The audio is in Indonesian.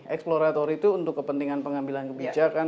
exploratory itu untuk kepentingan pengambilan kebijakan